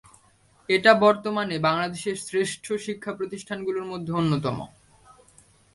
এটা বর্তমানে বাংলাদেশের শ্রেষ্ঠ শিক্ষা প্রতিষ্ঠানগুলোর মধ্যে অন্যতম।